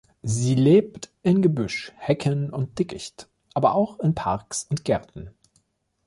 Sie lebt in Gebüsch, Hecken und Dickicht, aber auch in Parks und Gärten.